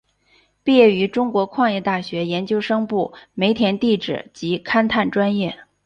毕业于中国矿业大学研究生部煤田地质及勘探专业。